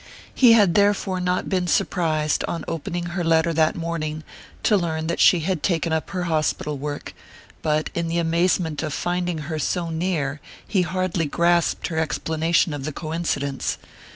He had therefore not been surprised, on opening her letter that morning, to learn that she had taken up her hospital work; but in the amazement of finding her so near he hardly grasped her explanation of the coincidence.